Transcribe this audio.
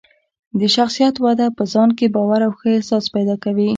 د شخصیت وده په ځان کې باور او ښه احساس پیدا کوي.